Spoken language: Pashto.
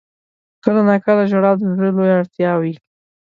• کله ناکله ژړا د زړه لویه اړتیا وي.